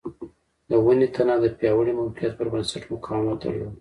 د ونې تنه د پیاوړي موقعیت پر بنسټ مقاومت درلود.